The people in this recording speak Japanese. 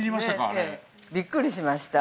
◆ええ、びっくりしました。